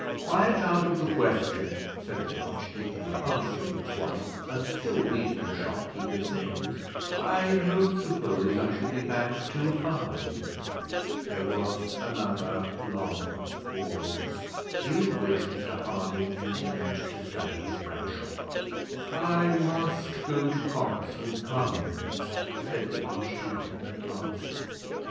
"Quite out of the question," said the archdeacon, answering his wife, and still reading the shopkeepers' names; "I don't suppose I shall be back till five." There was another long pause, during which Mr Harding continued to study his Bradshaw. "I must go to Cox and Cummins," said the archdeacon at last.